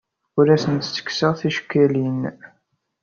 Ur asent-ttekkseɣ ticekkalin.